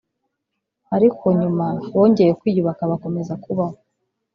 ariko nyuma bongeye kwiyubaka bakomeza kubaho